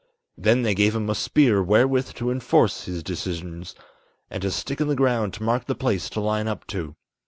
Then they gave him a spear wherewith to enforce his decisions, And to stick in the ground to mark the place to line up to.